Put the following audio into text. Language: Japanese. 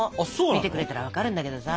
見てくれたら分かるんだけどさ。